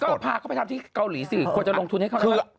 ก็พาเขาไปทำที่เกาหลีสิควรจะลงทุนให้เขา